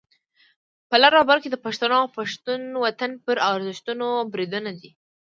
په لر او بر کې د پښتنو او پښتون وطن پر ارزښتونو بریدونه دي.